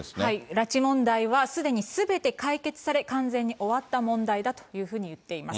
拉致問題は、すでにすべて解決され、完全に終わった問題だというふうに言っています。